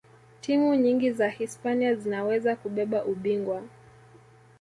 timu nyingi za hispania zinaweza kubeba ubingwa